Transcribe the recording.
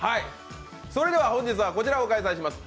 それでは本日はこちらを開催します。